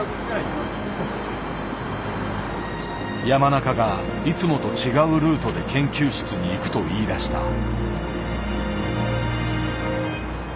山中がいつもと違うルートで研究室に行くと言いだした。